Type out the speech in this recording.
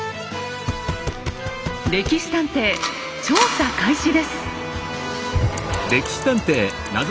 「歴史探偵」調査開始です。